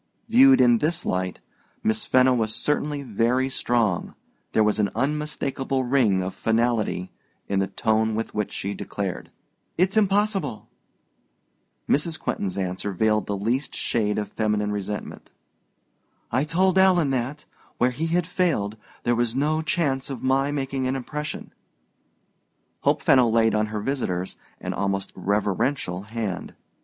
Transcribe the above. Viewed in this light, Miss Fenno was certainly very strong: there was an unmistakable ring of finality in the tone with which she declared, "It's impossible." Mrs. Quentin's answer veiled the least shade of feminine resentment. "I told Alan that, where he had failed, there was no chance of my making an impression." Hope Fenno laid on her visitor's an almost reverential hand.